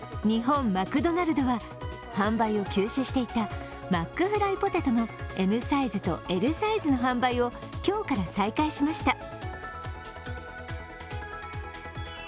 日本マクドナルドは、販売を休止していたマックフライポテトのＭサイズとＬサイズの販売を今日から再開しました。